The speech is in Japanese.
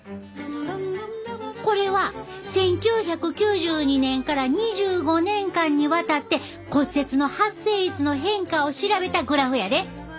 これは１９９２年から２５年間にわたって骨折の発生率の変化を調べたグラフやで。